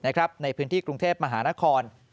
ในพื้นที่กรุงเทพมหานคร